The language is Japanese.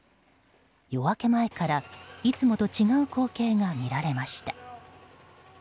夜明け前からいつもと違う光景が見られました。